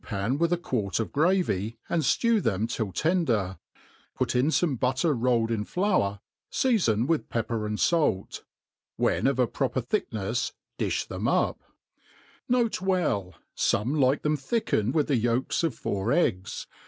pan with a quart of gravy, and ftew them till tender ^ put ii» ipme hikttec rolled in &>iix, fisalbn witk pepper and £ih r when of a proper thicknefs difli them up. N. B. Some like them thickened with the yolks of four tggs.